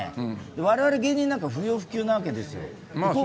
我々芸人なんて不要不急なんですよ。